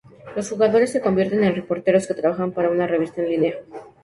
Los jugadores se convierten en reporteros que trabajan para una revista en línea.